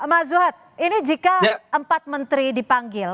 mas zuhad ini jika empat menteri dipanggil